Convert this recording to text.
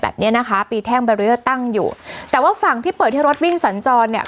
แบบเนี้ยนะคะปีแท่งตั้งอยู่แต่ว่าฝั่งที่เปิดให้รถวิ่งสัญจรเนี้ย